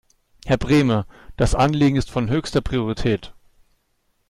Herr Brehme, das Anliegen ist von höchster Priorität.